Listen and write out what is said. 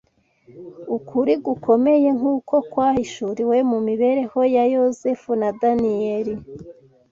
Ukuri gukomeye nk’uko kwahishuriwe mu mibereho ya Yozefu na Daniyeli